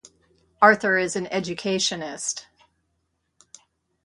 Arthur is an educationist.